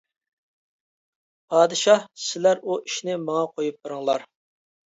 پادىشاھ، -سىلەر ئۇ ئىشنى ماڭا قويۇپ بىرىڭلار.